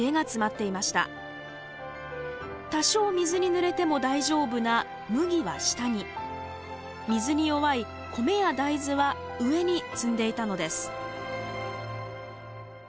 多少水にぬれても大丈夫な麦は下に水に弱い米や大豆は上に積んでいたのです。